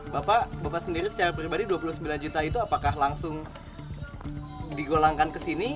bapak bapak sendiri secara pribadi dua puluh sembilan juta itu apakah langsung digolangkan ke sini